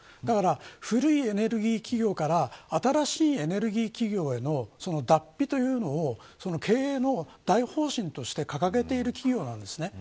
だから、古いエネルギー企業から新しいエネルギー企業への脱皮というのを経営の大方針として掲げている企業です。